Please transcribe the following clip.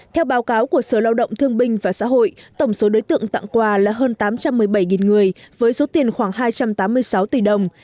theo báo cáo của sở lao động thương binh và xã hội tổng số đối tượng tặng quà là hơn tám trăm một mươi bảy người với số tiền khoảng hai trăm tám mươi sáu tỷ đồng